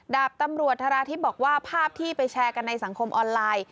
ดาบตำรวจธราทิพย์บอกว่าภาพที่ไปแชร์กันในสังคมออนไลน์